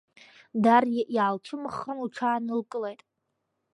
Дариа иаалцәымӷахан, лҽаанылкылеит.